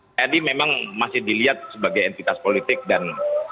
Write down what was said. saya ini memang masih dilihat sebagai entitas politik dan